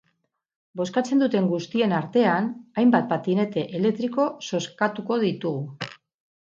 Bozkatzen duten guztien artean, hainbat patinete elektriko zozkatuko ditugu.